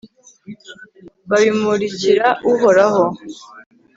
babimurikira uhoraho